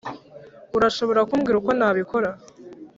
urashobora kumbwira uko nabikora?